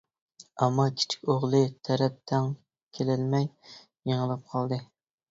ئەمما كىچىك ئوغلى تەرەپ تەڭ كېلەلمەي يېڭىلىپ قالدى.